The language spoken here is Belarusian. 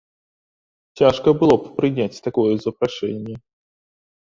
Цяжка было б прыняць такое запрашэнне.